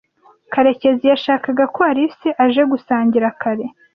Karekezi yashakaga ko Alice aje gusangira kare.